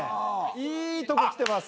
いいとこきてます。